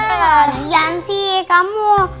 kelajian sih kamu